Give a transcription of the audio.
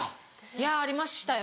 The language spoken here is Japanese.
いやありましたよ